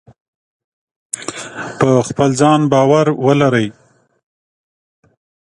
په خپل ځان باور ولرئ.